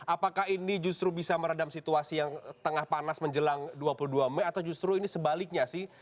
apakah ini justru bisa meredam situasi yang tengah panas menjelang dua puluh dua mei atau justru ini sebaliknya sih